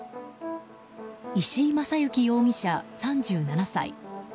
石井雅之容疑者、３７歳。